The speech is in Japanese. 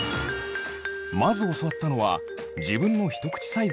まず教わったのは自分のひと口サイズを知ること。